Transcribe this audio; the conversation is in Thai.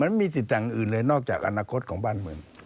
ไม่มีสิทธิ์ต่างอื่นเลยนอกจากอนาคตของบ้านเมือง